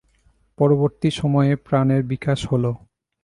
পরবর্তী সময়ে প্রাণের বিকাশ হল।